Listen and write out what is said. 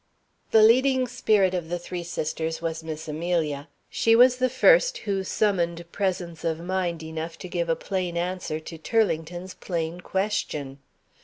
The leading spirit of the three sisters was Miss Amelia. She was the first who summoned presence of mind enough to give a plain answer to Turlington's plain question.